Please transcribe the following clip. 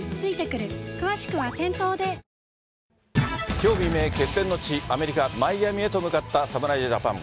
きょう未明、決選の地、アメリカ・マイアミへと向かった侍ジャパン。